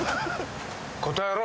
答えろ！